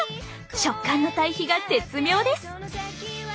食感の対比が絶妙です！